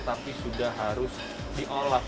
tapi sudah harus diolah